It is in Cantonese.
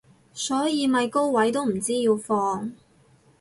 所以咪高位都唔知要放